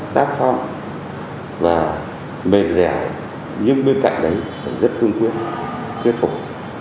các phong và mềm dẻo nhưng bên cạnh đấy là rất phương quyết thuyết phục